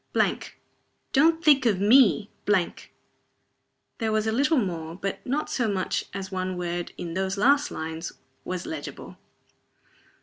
don't think of me " There was a little more, but not so much as one word, in those last lines, was legible.